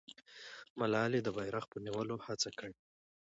ملالۍ د بیرغ په نیولو هڅه کړې.